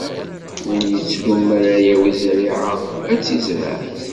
Win yettrun mi ara yawi zerriɛa ad tt-izreɛ.